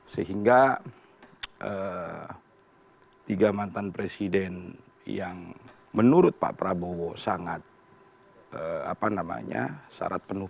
sehingga tiga mantan presiden yang menurut pak prabowo sangat syarat penuh